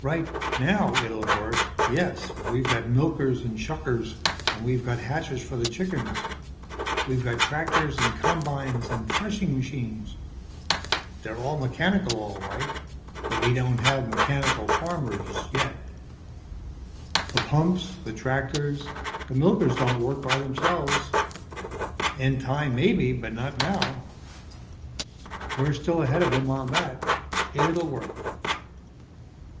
"Right now, it'll work. Yes, we've got milkers and shuckers, and we've got hatchers for the chickens. We've got tractors and combines and threshing machines. They're all mechanical, all right. But we don't have mechanical farmers, yet. The pumps, the tractors, the milkers don't work by themselves. In time, maybe. Not now. We're still ahead of them on that. It'll work."